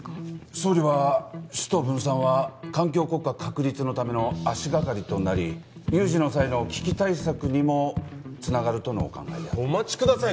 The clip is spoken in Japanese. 総理は首都分散は環境国家確立のための足がかりとなり有事の際の危機対策にもつながるとのお考えであるお待ちください